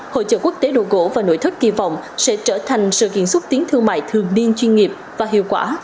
hội trợ quốc tế đồ gỗ và nội thất kỳ vọng sẽ trở thành sự kiện xúc tiến thương mại thường niên chuyên nghiệp và hiệu quả